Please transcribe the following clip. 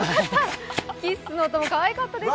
キッスの音もかわいかったですね。